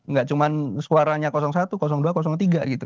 nggak cuma suaranya satu dua tiga gitu